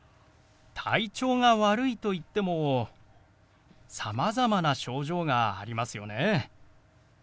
「体調が悪い」といってもさまざまな症状がありますよね。